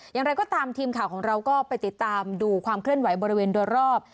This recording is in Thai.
อย่างไรก็ตามทีมข่าวของเราก็ไปติดตามดูความเคลื่อนไหวบริเวณโดยรอบ